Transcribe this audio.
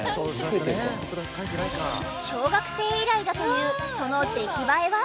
小学生以来だというその出来栄えは？